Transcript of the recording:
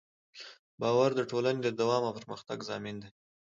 باور د ټولنې د دوام او پرمختګ ضامن دی.